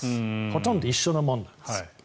ほとんど一緒のものなんです。